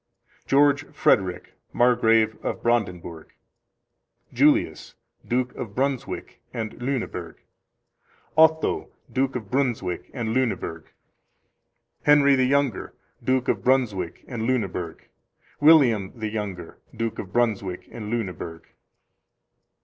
George Frederick, Margrave of Brandenburg. Julius, Duke of Brunswick and Lueneburg. Otho, Duke of Brunswick and Lueneburg. Henry the Younger, Duke of Brunswick and Lueneburg. William the Younger, Duke of Brunswick and Lueneburg.